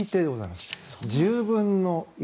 １０分の１。